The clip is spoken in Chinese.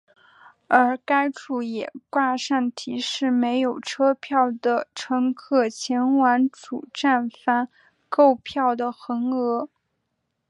而该处也挂上提示没有车票的乘客前往主站房购票的横额。